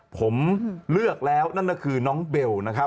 ผมเลือกแล้วนั่นน่ะคือน้องเบล